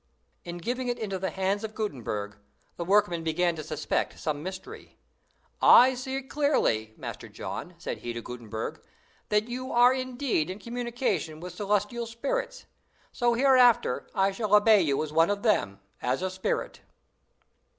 "In giving it into the hands of Gutenberg, the workman began to suspect some mystery. 'I see clearly, Master John,' said he to Gutenberg, 'that you are indeed in communication with celestial spirits; so hereafter I shall obey you as one of them as a spirit!